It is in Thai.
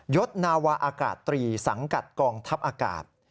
ศนาวาอากาศตรีสังกัดกองทัพอากาศ